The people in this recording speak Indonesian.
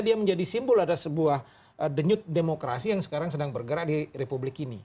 dia menjadi simbol ada sebuah denyut demokrasi yang sekarang sedang bergerak di republik ini